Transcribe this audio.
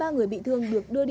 một mươi ba người bị thương